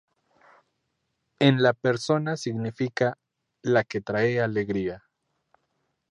En la persona significa ""la que trae alegría"".